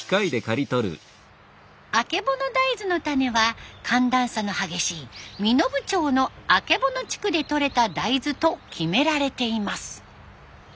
あけぼの大豆の種は寒暖差の激しい身延町の曙地区でとれた大豆と決められています。